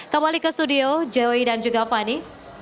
kembali ke studio joey dan juga fanny